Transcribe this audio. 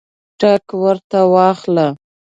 ټګ ورته واخله.